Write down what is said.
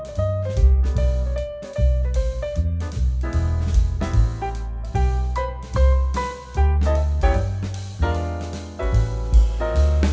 kalau dapat apa